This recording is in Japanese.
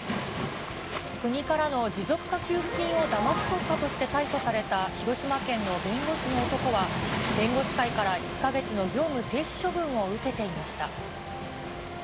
国からの持続化給付金をだまし取ったとして逮捕された、広島県の弁護士の男は、弁護士会から１か月の業務停止処分を受けていました。